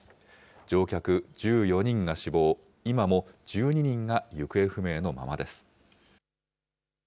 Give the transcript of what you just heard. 乗客１４人が死亡、今も１２人が行方不明のままです。